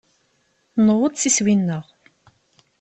Nuweḍ s iswi-nneɣ.